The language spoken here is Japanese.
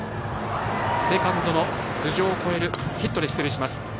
セカンドの頭上を越えるヒットで出塁します。